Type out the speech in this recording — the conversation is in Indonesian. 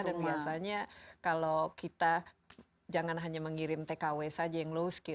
dan biasanya kalau kita jangan hanya mengirim tkw saja yang low skill